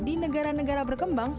di negara negara berkembang